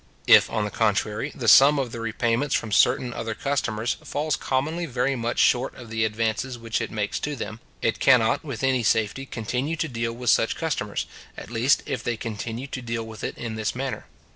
If, on the contrary, the sum of the repayments from certain other customers, falls commonly very much short of the advances which it makes to them, it cannot with any safety continue to deal with such customers, at least if they continue to deal with it in this manner.